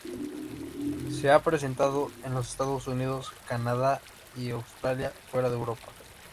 Se ha presentado en los Estados Unidos, Canada y Australia, fuera de Europa.